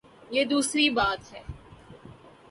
یہ دوسری بات ہے۔